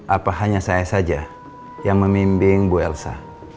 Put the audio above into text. bapak hanya saya saja yang memimping bu elsa